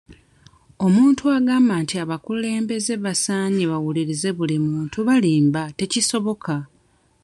Omuntu agamba nti abakulembeze basaanye bawulirize buli muntu balimba tekisoboka.